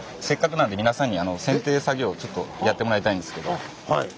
せっかくなんで皆さんに剪定作業をちょっとやってもらいたいんですけど。